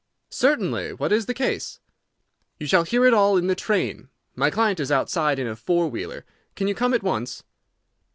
"Certainly. What is the case?" "You shall hear it all in the train. My client is outside in a four wheeler. Can you come at once?"